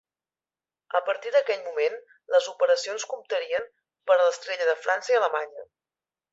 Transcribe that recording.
A partir d'aquell moment, les operacions comptarien per a l'Estrella de França i Alemanya.